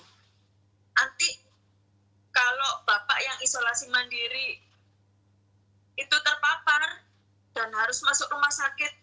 nanti kalau bapak yang isolasi mandiri itu terpapar dan harus masuk rumah sakit